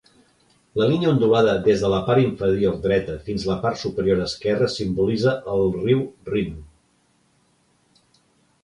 La línia ondulada des de la part inferior dreta fins la part superior esquerra simbolitza el riu Rin.